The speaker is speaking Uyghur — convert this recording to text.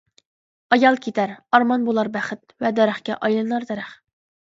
ئايال كېتەر، ئارمان بولار بەخت، ۋە دەرەخكە ئايلىنار دەرەخ.